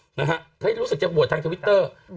เขาให้รู้สึกจะโบสถ์ทางทวิตเตอร์